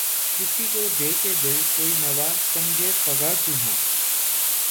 کسی کو دے کے دل‘ کوئی نوا سنجِ فغاں کیوں ہو؟